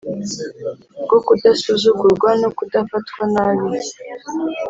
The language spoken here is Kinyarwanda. bwo kudasuzugurwa no kudafatwa nabi.